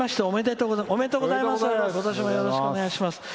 おめでとうございます。